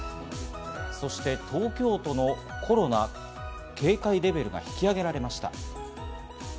そして東京都のコロナ警戒レベルが引き上げられました。